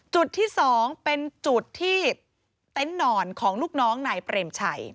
จุดที่๒เป็นจุดที่เต็นต์นอนของลูกน้องนายเปรมชัย